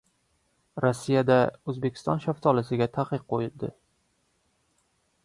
Rossiyada O‘zbekiston shaftolisiga taqiq qo‘yildi